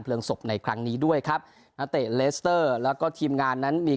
ศพในครั้งนี้ด้วยครับนักเตะเลสเตอร์แล้วก็ทีมงานนั้นมี